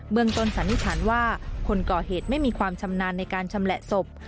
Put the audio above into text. เมืองต้นสันนิษฐานว่าคนก่อเหตุไม่มีความชำนาญในการชำแหละศพ